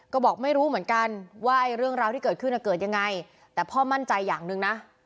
ก็บอกไม่รู้เหมือนกันว่าเรื่องราวที่เกิดขึ้นเกิดยังไงแต่พ่อมั่นใจอย่างหนึ่งนะ